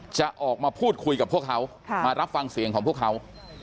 จะออกมาพูดคุยกับพวกเขามารับฟังเสียงของพวกเขา